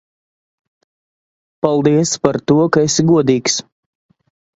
Paldies par to, ka esi godīgs.